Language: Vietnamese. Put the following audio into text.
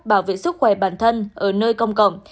bảo vệ sức khỏe bản thân ở nơi công cộng